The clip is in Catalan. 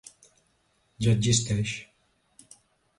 Ja existeix.